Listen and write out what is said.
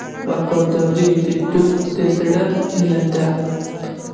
وفادار دوست د زړونو هیله ده.